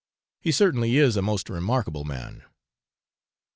He certainly is a most remarkable man.